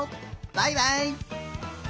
バイバイ！